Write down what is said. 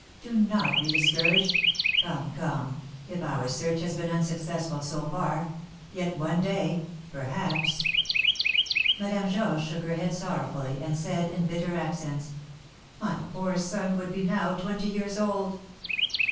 "Do not be discouraged; come, come, if our search has been unsuccessful so far, yet one day, perhaps " Madame Georges shook her head sorrowfully, and said, in bitter accents, "My poor son would be now twenty years old!"